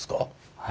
はい。